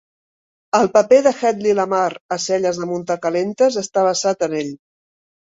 El paper de Hedley Lamarr a "Selles de muntar calentes" està basat en ell.